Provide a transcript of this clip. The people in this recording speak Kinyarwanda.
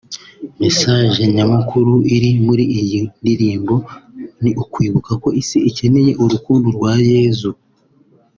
Message nyamukuru iri muri iyi ndirimbo ni ukwibuka ko Isi ikeneye urukundo rwa Yesu